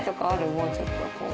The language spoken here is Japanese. もうちょっとこう。